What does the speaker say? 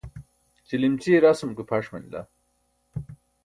ćilimćiye rasum ke pʰaṣ manila